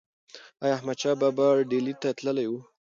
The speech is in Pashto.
ایا احمدشاه بابا ډیلي ته تللی و؟